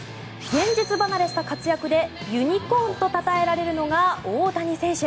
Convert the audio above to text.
現実離れした活躍でユニコーンとたたえられるのが大谷選手。